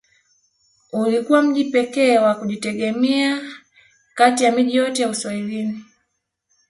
Ulikuwa mji pekee wa kujitegemea kati ya miji yote ya Uswahilini